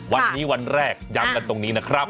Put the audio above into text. วันนี้วันแรกย้ำกันตรงนี้นะครับ